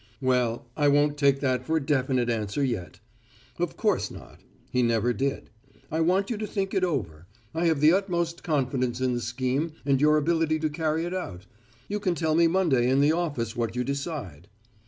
"Well, I won't take that for a definite answer yet." Of course not. He never did. "I want you to think it over. I have the utmost confidence in the scheme and your ability to carry it out. You can tell me Monday in the office what you decide."